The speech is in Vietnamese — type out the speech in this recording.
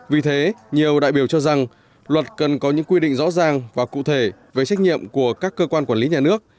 vì thế nhiều đại biểu cho rằng luật cần có những quy định rõ ràng và cụ thể về trách nhiệm của các cơ quan quản lý nhà nước